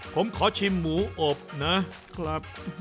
ผมขอชิมหมูอบนะ